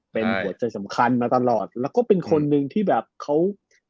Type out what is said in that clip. เป็นหัวใจสำคัญมาตลอดแล้วก็เป็นคนหนึ่งที่แบบเขา